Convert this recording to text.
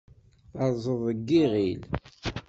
Terrẓeḍ deg yiɣil.